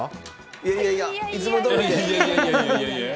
いやいやいやいつもどおりで。